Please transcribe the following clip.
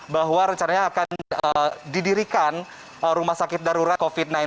bahwa rencananya akan didirikan rumah sakit darurat covid sembilan belas